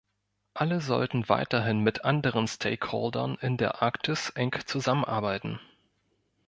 Alle sollten weiterhin mit anderen Stakeholdern in der Arktis eng zusammenarbeiten.